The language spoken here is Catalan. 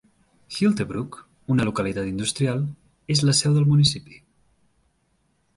Hyltebruk, una localitat industrial, és la seu del municipi.